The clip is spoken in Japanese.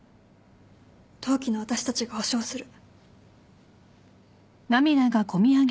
同期の私たちが保証する。